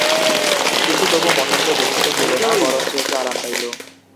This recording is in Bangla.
কিন্তু তবু মহেন্দ্র দুঃখিত হইল না, বরঞ্চ একটু আরাম পাইল।